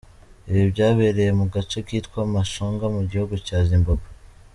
Ibi byabereye mu gace kitwa Mashonga mu gihugu cya Zimbabwe.